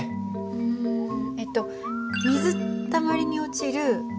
うんえっと水たまりに落ちる波紋とか。